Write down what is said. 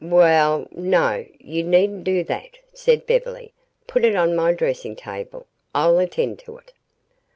"We ll, no; you needn't do that," said Beverly, "Put it on my dressing table. I'll attend to it."